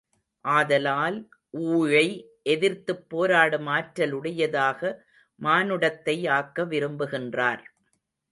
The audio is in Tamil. ஆதலால் ஊழை எதிர்த்துப் போராடும் ஆற்றலுடையதாக மானுடத்தை ஆக்க விரும்புகின்றார்.